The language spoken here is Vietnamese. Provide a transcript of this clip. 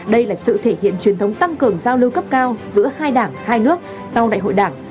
đây là sự thể hiện truyền thống tăng cường giao lưu cấp cao giữa hai đảng hai nước sau đại hội đảng